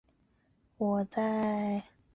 同年成为格拉斯哥卡利多尼安大学的校监。